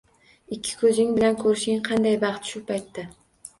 Ikki ko‘zing bilan ko‘rishing qanday baxt shu paytda!